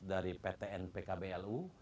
dari ptn pkblu